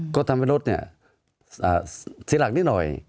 ก็ทำให้รถเสียหลักนิดหน่อย